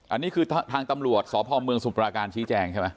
อันนี้คือทางตำรวจสพเมืองสุปราการชี้แจงใช่ไหม